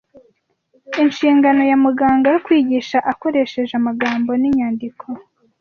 Inshingano ya muganga yo kwigisha akoresheje amagambo n’inyandiko